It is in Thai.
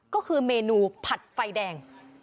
ก็คือเมนูผัดไฟแดง